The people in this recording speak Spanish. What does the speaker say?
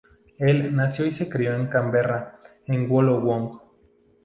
Él nació y se crio en Canberra en Wollongong.